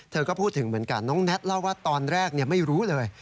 เธอก็พูดถึงเหมือนกันน้องแน็ตเล่าว่าตอนแรกไม่รู้เลย